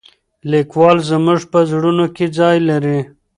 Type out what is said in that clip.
لیکوال زموږ په زړونو کې ځای لري.